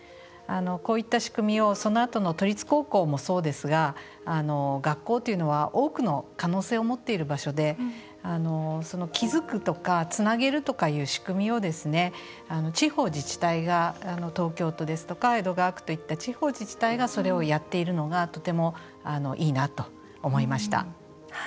こういった仕組みを、そのあとの都立高校もそうですが学校というのは多くの可能性を持っている場所で気づくとかつなげるという仕組みを地方自治体が東京都ですとか江戸川区ですとか地方自治体がそれをやっているのがとてもいいなと思いました。